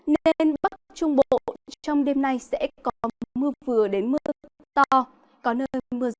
nên bắc trung bộ trong đêm nay sẽ có mưa vừa đến mưa to có nơi mưa rất to